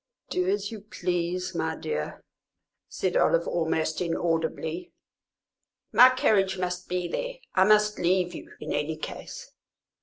"Do as you please, my dear," said Olive, almost inaudibly. "My carriage must be there I must leave you, in any case."